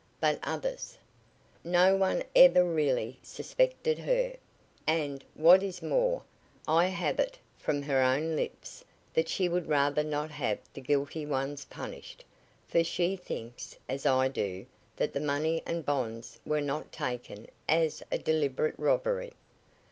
But others " "No one ever really suspected her. And, what is more, I have it from her own lips that she would rather not have the guilty ones punished, for she thinks, as I do, that the money and bonds were not taken as a deliberate robbery."